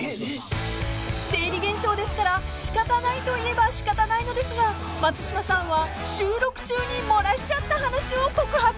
［生理現象ですから仕方ないといえば仕方ないのですが松嶋さんは収録中に漏らしちゃった話を告白］